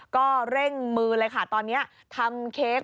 ก็เร่งมือเลยค่ะตอนนี้ทำเค้ก